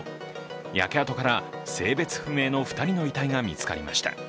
焼け跡から性別不明の２人の遺体が見つかりました。